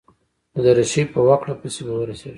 د درېشۍ په وکړه پسې به ورسېږم.